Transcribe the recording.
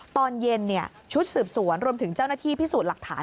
ตอนเย็นชุดสืบสวนรวมถึงเจ้าหน้าที่พิสูจน์หลักฐาน